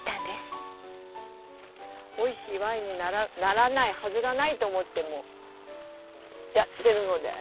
美味しいワインにならないはずがないと思ってやってるので。